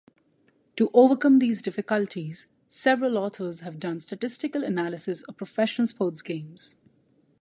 To overcome these difficulties, several authors have done statistical analysis of professional sports games.